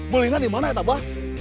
belinya di mana itu bang